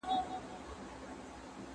دغه جلال او دا جمال